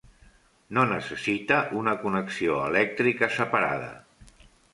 No necessita una connexió elèctrica separada.